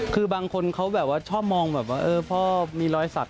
คือบางคนเขาชอบมองว่าพ่อมีรอยสัก